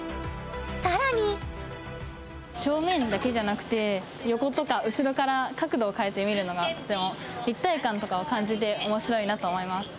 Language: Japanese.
更に横とか後ろから角度を変えて見るのがとても立体感とかを感じて面白いなと思います。